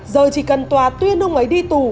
giờ chỉ cần tòa tuyên ông ấy đi tù